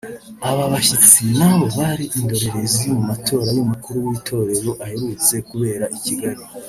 Aba bashyitsi nibo bari indorerezi mu matora y’Umukuru w’Itorero aherutse kubera i Kigali